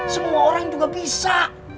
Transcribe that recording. semua orang juga bisa